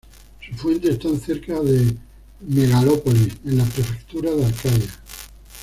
Sus fuentes están cerca de Megalópolis en la prefectura de Arcadia.